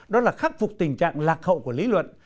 đó là khắc phục tình trạng lạc hậu của lý luận